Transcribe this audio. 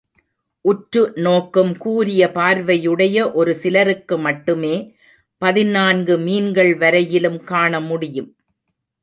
உற்று நோக்கும் கூரிய பார்வையுடைய ஒரு சிலருக்கு மட்டுமே பதினான்கு மீன்கள் வரையிலும் காணமுடியும்.